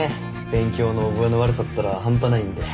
勉強の覚えの悪さったら半端ないんで。